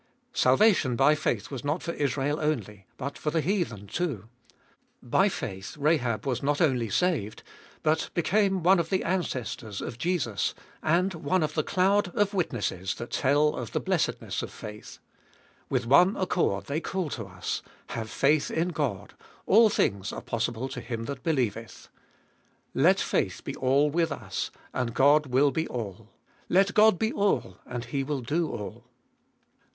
Salvation by faith was not for Israel only but for the heathen too. By faith Rahab was not only saved, but became one of the ancestors of Jesus, and 464 Hbe fjoltest of one of the cloud of witnesses that tell of the blessedness of faith, With one accord they call to us : Have faith in God, all things are possible to him that believeth. Let faith be all with us, and God will be all. Let God be all and He will do all.